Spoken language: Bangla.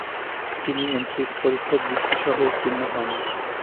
তিনি এন্ট্রিস পরীক্ষায় বৃত্তিসহ উত্তীর্ণ হন।